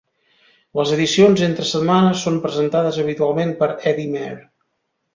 Les edicions entre setmana són presentades habitualment per Eddie Mair.